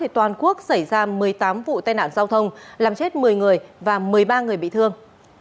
toàn quốc xảy ra một mươi tám vụ tai nạn giao thông làm chết một mươi người và một mươi ba người bị thương